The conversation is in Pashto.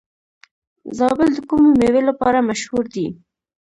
زابل د کومې میوې لپاره مشهور دی؟